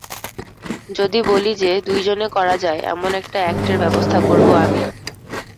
যদি বলি যে, দুইজনে করা যায়, এমন একটা অ্যাক্টের ব্যবস্থা করব আমি?